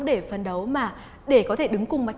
để phấn đấu mà để có thể đứng cùng